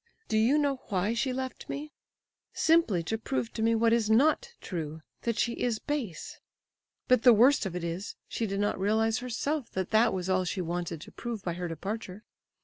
—Do you know why she left me? Simply to prove to me what is not true—that she is base. But the worst of it is, she did not realize herself that that was all she wanted to prove by her departure!